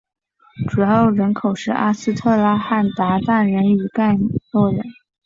主要人口是阿斯特拉罕鞑靼人与诺盖人。